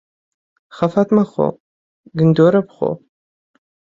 خەفەت مەخۆ، گندۆره بخۆ.